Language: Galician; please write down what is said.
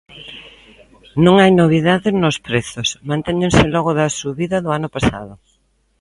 Non hai novidades nos prezos, mantéñense logo da subida do ano pasado.